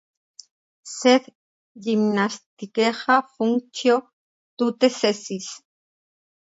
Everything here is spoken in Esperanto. Sed gimnastikeja funkcio tute ĉesis.